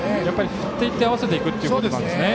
振っていって合わせていくということですね。